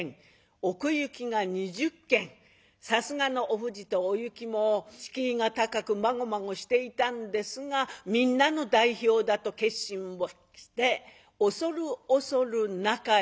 さすがのおふじとおゆきも敷居が高くまごまごしていたんですがみんなの代表だと決心をして恐る恐る中へ。